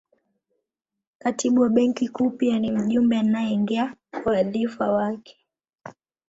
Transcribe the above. Katibu wa Benki Kuu pia ni mjumbe anayeingia kwa wadhifa wake